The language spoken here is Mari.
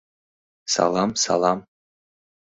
— Салам, салам...